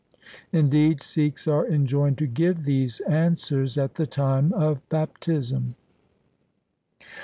Indeed, Sikhs are enjoined to give these answers at the time of bap tism.